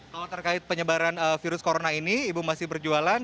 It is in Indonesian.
kalau terkait penyebaran virus corona ini ibu masih berjualan